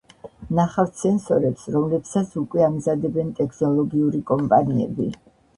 ნახავთ სენსორებს, რომლებსაც უკვე ამზადებენ ტექნოლოგიური კომპანიები.